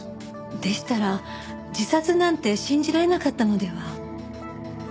でしたら自殺なんて信じられなかったのでは？